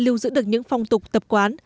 lưu giữ được những phong tục tập quán